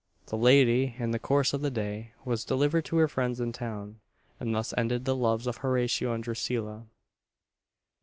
The lady, in the course of the day, was delivered to her friends in town; and thus ended the loves of Horatio and Drusilla.